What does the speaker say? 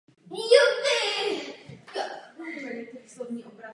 Klub poté třetí nejvyšší soutěž odmítá a nastupuje pouze v regionálních soutěžích.